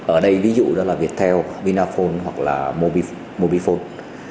ở đây ví dụ đó là viettel binaphone hoặc là mobifone